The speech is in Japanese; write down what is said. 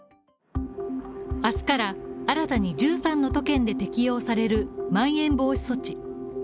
明日から新たに１３の都県で適用されるまん延防止措置